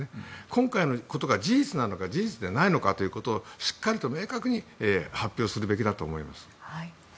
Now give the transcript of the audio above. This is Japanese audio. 今回のことが事実なのか事実でないのかしっかりと明確に発表するべきだと思います。